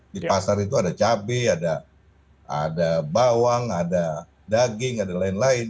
di pasar itu ada cabai ada bawang ada daging ada lain lain